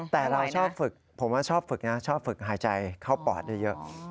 แต่เราชอบฝึกผมว่าชอบฝึกนะชอบฝึกหายใจเข้าปอดได้เยอะ